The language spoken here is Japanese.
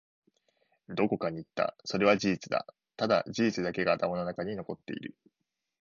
どこかに行った。それは事実だ。ただ、事実だけが頭の中に残っている。